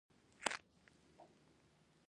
- یو سافټویر 📦